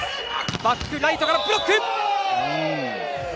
バックライトからブロック！